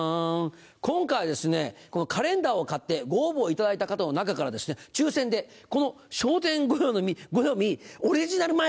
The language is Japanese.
今回ですねこのカレンダーを買ってご応募いただいた方の中から抽選でこの笑点暦オリジナル前掛け。